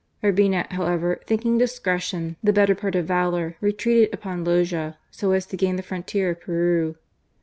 Urbina, however, thinking discretion the better part of valour, retreated upon Loja so as to gain the frontier of Peru.